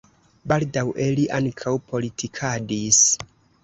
Baldaŭe li ankaŭ politikadis.